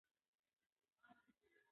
ورزش او پوره خوب کولے شو -